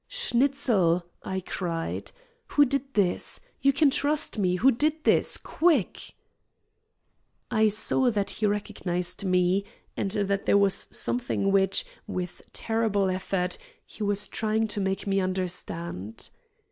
"Schnitzel!" I cried. "Who did this? You can trust me. Who did this? Quick!" I saw that he recognized me, and that there was something which, with terrible effort, he was trying to make me understand.